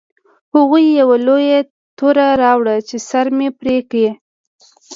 هغوی یوه لویه توره راوړه چې سر مې پرې کړي